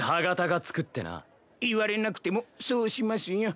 言われなくてもそうしますよ。